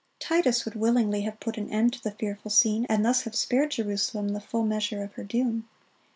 (45) Titus would willingly have put an end to the fearful scene, and thus have spared Jerusalem the full measure of her doom.